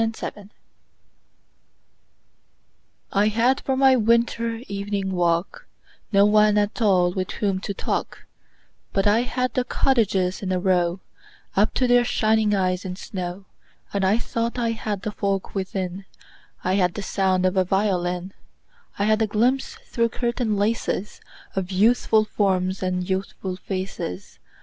Good Hours I HAD for my winter evening walk No one at all with whom to talk, But I had the cottages in a row Up to their shining eyes in snow. And I thought I had the folk within: I had the sound of a violin; I had a glimpse through curtain laces Of youthful forms and youthful faces.